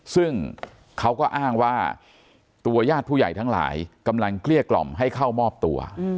ซึ่งเขาก็อ้างว่าตัวญาติผู้ใหญ่ทั้งหลายกำลังเกลี้ยกล่อมให้เข้ามอบตัว